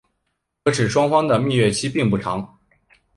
可使双方的蜜月期并不长。